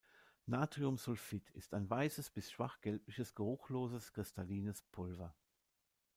Natriumsulfit ist ein weißes bis schwach gelbliches, geruchloses, kristallines Pulver.